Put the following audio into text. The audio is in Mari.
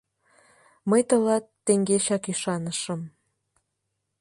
— Мый тылат теҥгечак ӱшанышым.